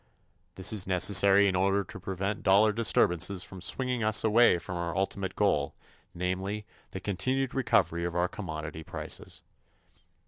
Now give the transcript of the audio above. This is necessary in order to prevent dollar disturbances from swinging us away from our ultimate goal, namely, the continued recovery of our commodity prices.